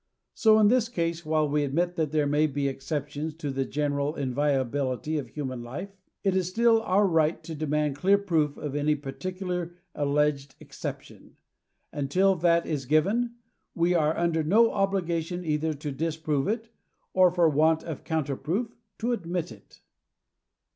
So in this case, while we admit that there may be exceptions to the general inviolability of human life, it is still our right to demand clear proof of any particular alleged exception, and till that is given we are under no obligation either to disprove it, or, for want of counter proof, to ftdmit it.